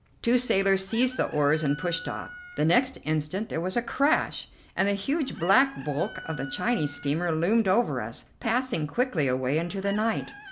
Two sailors seized the oars and pushed off. The next instant there was a crash, and the huge black bulk of the Chinese steamer loomed over us, passing quickly away into the night.